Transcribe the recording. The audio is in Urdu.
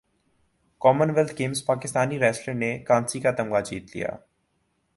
کامن ویلتھ گیمزپاکستانی ریسلر نے کانسی کا تمغہ جیت لیا